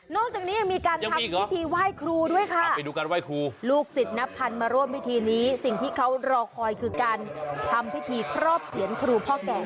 จากนี้ยังมีการทำพิธีไหว้ครูด้วยค่ะไปดูการไหว้ครูลูกศิษย์นับพันมาร่วมพิธีนี้สิ่งที่เขารอคอยคือการทำพิธีครอบเสียรครูพ่อแก่